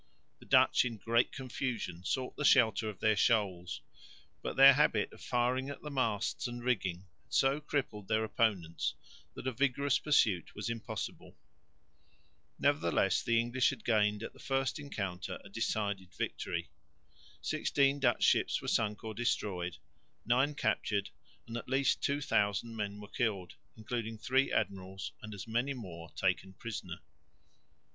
The Dutch in great confusion sought the shelter of their shoals, but their habit of firing at the masts and rigging had so crippled their opponents that a vigorous pursuit was impossible. Nevertheless the English had gained at the first encounter a decided victory. Sixteen Dutch ships were sunk or destroyed, nine captured, and at least 2000 men were killed, including three admirals, and as many more taken prisoners.